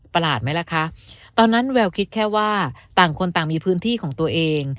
ประหลาดไหมล่ะคะตอนนั้นแววคิดแค่ว่าต่างคนต่างมีพื้นที่ของตัวเอง